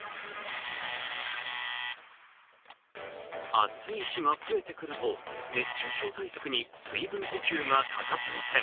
暑い日が増えてくると熱中症対策に水分補給が欠かせません。